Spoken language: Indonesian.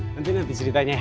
nanti nanti ceritanya ya